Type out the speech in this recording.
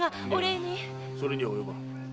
いやそれには及ばぬ。